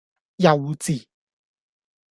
幼稚!